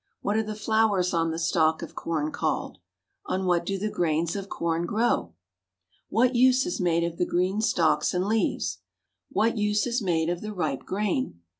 What are the flowers on the stalk of corn called? On what do the grains of corn grow? What use is made of the green stalks and leaves? What use is made of the ripe grain?